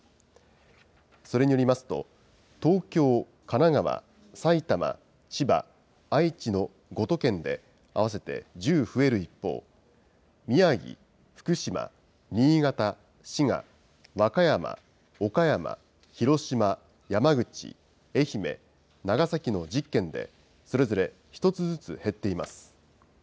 それによりますと、東京、神奈川、埼玉、千葉、愛知の５都県で合わせて１０増える一方、宮城、福島、新潟、滋賀、和歌山、岡山、広島、山口、愛媛、長崎の１０県で、それぞれ１つずつ減っています。